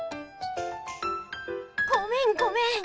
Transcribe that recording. ごめんごめん。